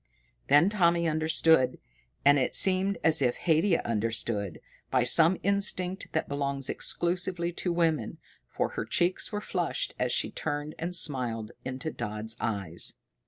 Then Tommy understood. And it seemed as if Haidia understood, by some instinct that belongs exclusively to women, for her cheeks were flushed as she turned and smiled into Dodd's eyes.